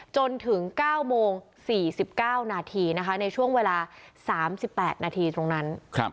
จนถึง๙โมง๔๙นาทีนะคะในช่วงเวลา๓๘นาทีตรงนั้น